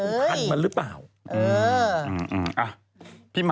จากกระแสของละครกรุเปสันนิวาสนะฮะ